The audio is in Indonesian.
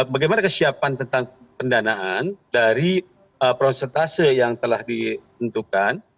bagaimana kesiapan tentang pendanaan dari prosentase yang telah ditentukan